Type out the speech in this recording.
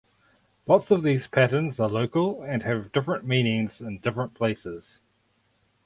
Lots of these patterns are local and have different meanings in different places.